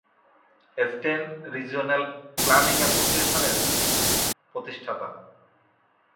Steyn regional planning অ্যাসোসিয়েশনের প্রতিষ্ঠাতা।